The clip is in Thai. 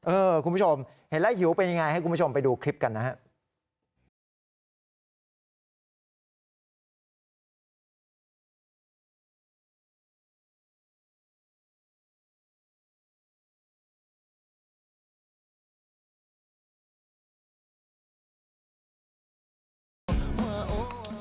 คุณผู้ชมเห็นแล้วหิวเป็นยังไงให้คุณผู้ชมไปดูคลิปกันนะครับ